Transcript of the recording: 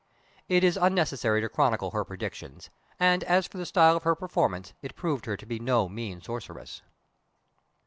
It is unnecessary to chronicle her predictions, and as for the style of her performance, it proved her to be no mean sorceress.